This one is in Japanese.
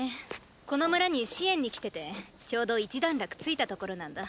この村に支援に来ててちょうど一段落ついたところなんだ。